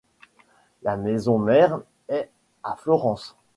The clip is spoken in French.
La maison-mère est à Florence.